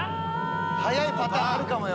早いパターンあるかもよ。